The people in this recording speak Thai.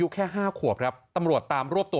แค่๕ขวบครับตำรวจตามรวบตัว